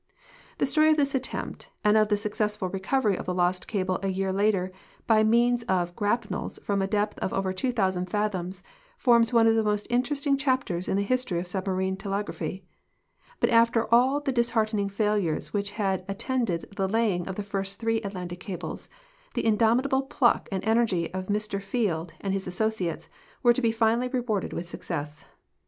The story of this attempt and of the successful recovery of the lost cable a year later by means of grapnels from a depth of over 2,000 fathoms forms one of the most interesting chapters in the histoiy of submarine telegra])hy ; but after all the disheart ening failures which had attended the laying of the first three Atlantic cal)les, the indomitable pluck and energ}'^ of iNIr Field and his associates were to be finally rewarded with success.